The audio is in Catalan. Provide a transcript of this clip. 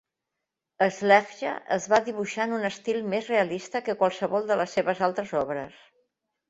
Sleggja es va dibuixar en un estil més realista que qualsevol de les seves altres obres.